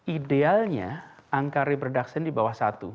idealnya angka reproduction di bawah satu